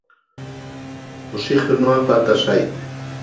Oxigenoa falta zait.